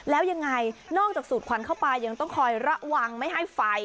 แล้วยังไงนอกจากสูดขวัญเข้าไปยังต้องคอยระวังไม่ให้ไฟ